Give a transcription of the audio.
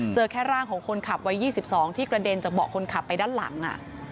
เจอแค่ร่างของคนขับวัย๒๒ที่กระเด็นจากเบาะคนขับไปด้านหลัง